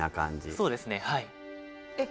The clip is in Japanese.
そうですねはいえっ